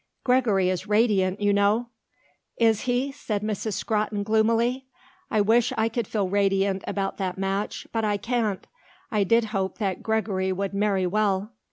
"Gregory is radiant, you know." "Is he?" said Miss Scrotton gloomily. "I wish I could feel radiant about that match; but I can't. I did hope that Gregory would marry well."